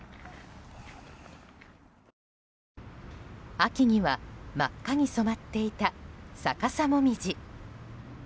秋には真っ赤に染まっていた逆さモミジ。